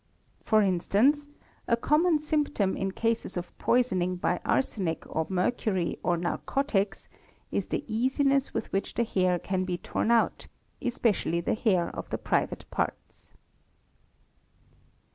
For instance a common symptom in cases of poisoning by arsenic or mercury or narcotics, is the easiness with which the hair can be torn out, especially the hair of the private parts.